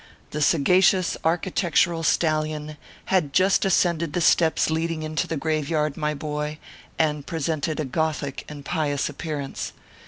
The sagacious architectural stallion had just ascended the steps leading into the graveyard, my boy, and presented a gothic and pious appearance.